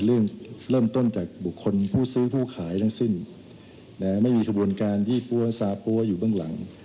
เริ่มต้นจากบุคคลผู้ซื้อผู้ขายทั้งสิ้นไม่มีขบวนการยี่ปั้วซาปั้วอยู่เบื้องหลัง